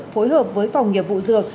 phối hợp với phòng nghiệp vụ dược